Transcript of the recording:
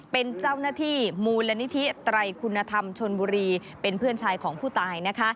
เป็นเจ้าหน้าที่มูลนิธิไตรคุณธรรมชนบุรีเป็นเพื่อนชายของผู้ตาย